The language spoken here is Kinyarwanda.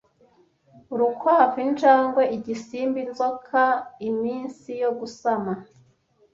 Urukwavu, Injangwe, Igisimba, Inzoka, iminsi yo gusama